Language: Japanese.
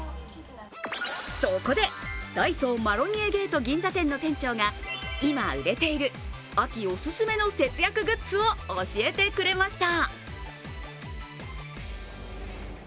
そこで、ダイソー・マロニエゲート銀座店の店長が今、売れている秋オススメの節約グッズを教えてくれました。